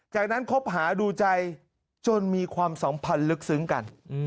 จากนั้นคบหาดูใจจนมีความสัมพันธ์ลึกซึ้งกัน